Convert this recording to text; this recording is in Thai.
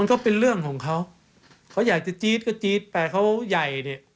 อ๋อมันก็เป็นเรื่องของเขาเขาอยากจะจี๊ดก็จี๊ดแต่เขาใหญ่